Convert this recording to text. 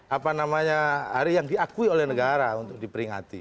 apa namanya hari yang diakui oleh negara untuk diperingati